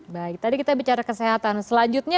baik tadi kita bicara kesehatan selanjutnya